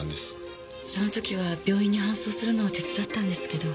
その時は病院に搬送するのを手伝ったんですけど。